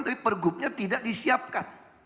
tapi pergubnya tidak disiapkan